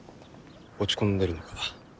落ち込んでるのか？